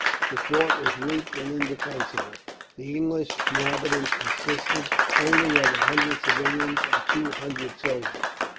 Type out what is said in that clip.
The fort was weak and indefensible. The English inhabitants consisted only of a hundred civilians, and two hundred soldiers.